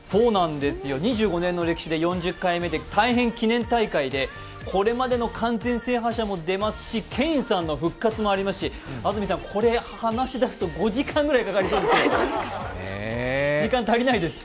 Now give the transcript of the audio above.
２５年の歴史で４０回目で改編記念大会でこれまでの完全制覇者も出ますしケインさんの復活もありますし、安住さん、これ話し出すと５時間ぐらいかかりますよ、時間足りないです。